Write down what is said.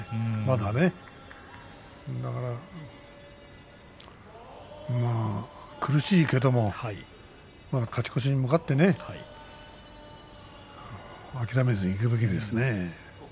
だから苦しいけど勝ち越しに向かってね諦めずにいくべきですね。